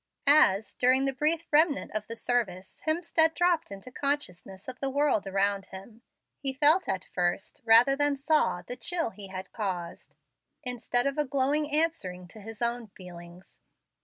As, during the brief remnant of the service, Hemstead dropped into consciousness of the world around him, he felt at first, rather than saw, the chill he had caused, instead of a glow answering to his own feelings.